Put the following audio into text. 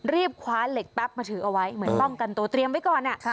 คว้าเหล็กแป๊บมาถือเอาไว้เหมือนป้องกันตัวเตรียมไว้ก่อน